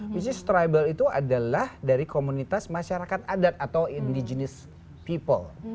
which is trible itu adalah dari komunitas masyarakat adat atau indigenous people